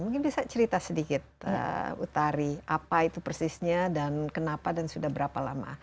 mungkin bisa cerita sedikit utari apa itu persisnya dan kenapa dan sudah berapa lama